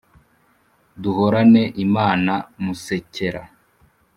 duhorane imana musekera .